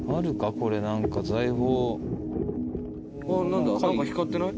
これなんか財宝。